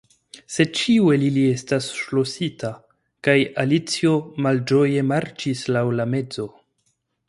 Sed ĉiu el ili estis ŝlosita, kaj Alicio malĝoje marŝis laŭ la mezo.